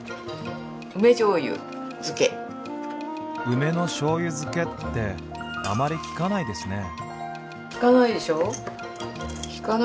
梅のしょうゆ漬けってあまり聞かないですね。